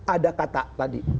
ada kata tadi